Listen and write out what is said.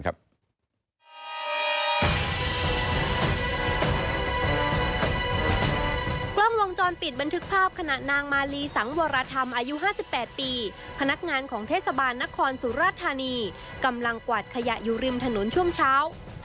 กล้องวงจรปิดบันทึกภาพขณะนางมาลีสังวรธรรมอายุ๕๘ปีพนักงานของเทศบาลนครสุรธานีกำลังกวาดขยะอยู่ริมถนนช่วงเช้า